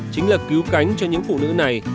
chính là cứu cánh cho những phụ nữ này